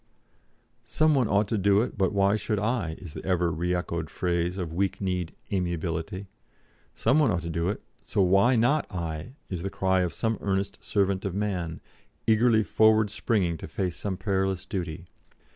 'Some one ought to do it, but why should I?' is the ever re echoed phrase of weak kneed amiability. 'Some one ought to do it, so why not I?' is the cry of some earnest servant of man, eagerly forward springing to face some perilous duty.